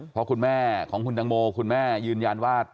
เพราะคุณแม่ของคุณตังโมคุณแม่ยืนยันว่า